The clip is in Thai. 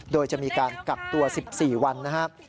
โดยจะมีการกักตัว๑๔วันนะครับ